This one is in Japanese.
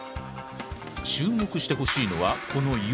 注目してほしいのはこの指。